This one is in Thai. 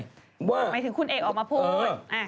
หมายถึงคุณเอกออกมาพูด